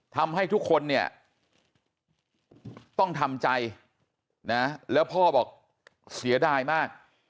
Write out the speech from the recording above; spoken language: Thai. ทำให้ทุกคนเนี่ยต้องทำใจนะแล้วพ่อบอกเสียดายมาก